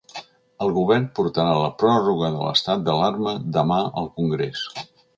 El govern portarà la pròrroga de l’estat d’alarma demà al congrés.